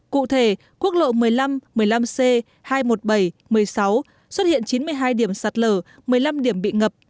cụ thể quốc lộ một mươi năm một mươi năm c hai trăm một mươi bảy một mươi sáu xuất hiện chín mươi hai điểm sạt lở một mươi năm điểm bị ngập